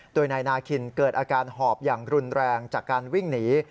โดยนายนาคินเกิดอาการหอบอย่างรุนแรงจากการวิ่งหนี